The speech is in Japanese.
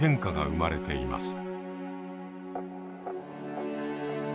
生まれています。